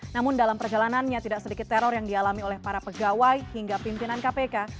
namun dalam perjalanannya tidak sedikit teror yang dialami oleh para pegawai hingga pimpinan kpk